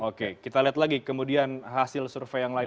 oke kita lihat lagi kemudian hasil survei yang lain